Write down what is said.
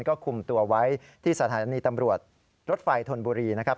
ก็คุมตัวไว้ที่สถานีตำรวจรถไฟธนบุรีนะครับ